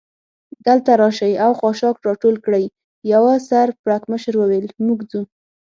دلته راشئ او خاشاک را ټول کړئ، یوه سر پړکمشر وویل: موږ ځو.